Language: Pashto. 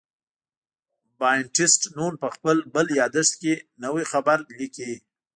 بابټیست نون په خپل بل یادښت کې نوی خبر لیکي.